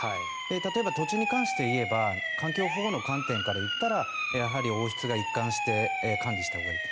例えば土地に関していえば環境保護の観点からいったらやはり王室が一貫して管理したほうがいい。